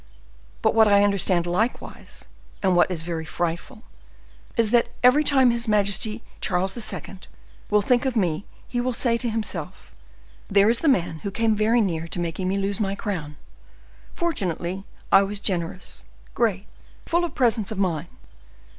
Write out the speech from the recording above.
But what I understand likewise, and what is very frightful, is, that every time his majesty Charles II. will think of me, he will say to himself: 'There is the man who came very near to making me lose my crown. Fortunately I was generous, great, full of presence of mind.